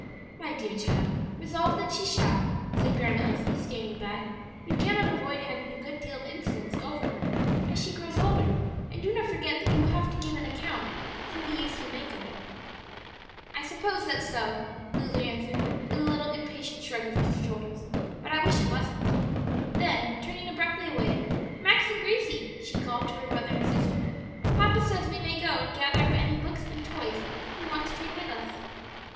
"My dear child, resolve that she shall," said Grandma Elsie, standing by; "you cannot avoid having a good deal of influence over her as she grows older, and do not forget that you will have to give an account for the use you make of it." "I suppose that's so," Lulu answered, with a little impatient shrug of her shoulders; "but I wish it wasn't." Then, turning abruptly away, "Max and Gracie," she called to her brother and sister, "papa says we may go and gather up any books and toys we want to take with us."